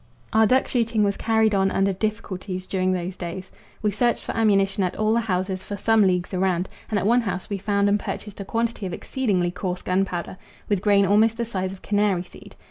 Our duck shooting was carried on under difficulties during those days. We searched for ammunition at all the houses for some leagues around, and at one house we found and purchased a quantity of exceedingly coarse gunpowder, with grain almost the size of canary seed.